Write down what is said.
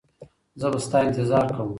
زه به ستا انتظار کوم.